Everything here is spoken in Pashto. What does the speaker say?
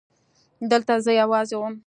دلته زه يوازې وم.